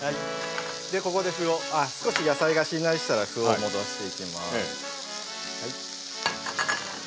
少し野菜がしんなりしたら麩を戻していきます。